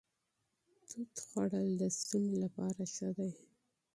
توت د ستوني لپاره ښه دي.